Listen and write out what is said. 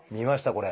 これ。